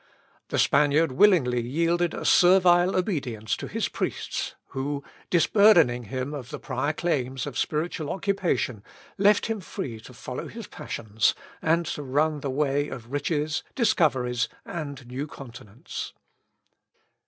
The Spaniard willingly yielded a servile obedience to his priests, who, disburdening him of the prior claims of spiritual occupation, left him free to follow his passions, and to run the way of riches, discoveries, and new continents.